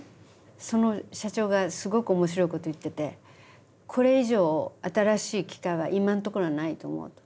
その社長がすごく面白いこと言ってて「これ以上新しい機械は今のところはないと思う」と。